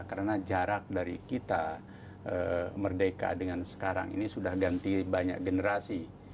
karena jarak dari kita merdeka dengan sekarang ini sudah ganti banyak generasi